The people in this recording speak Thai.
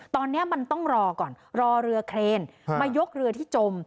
ตอนนี้มันต้องรอก่อนรอเรือเครนมายกเรือที่จม